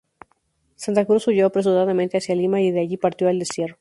Santa Cruz huyó apresuradamente hacia Lima y de allí partió al destierro.